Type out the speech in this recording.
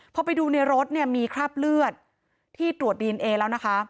พอไปดูในรถเนี่ยมีคราบเลือดที่ตรวจดีเอนเอแล้วนะคะ